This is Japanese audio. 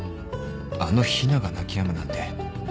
あの陽菜が泣きやむなんて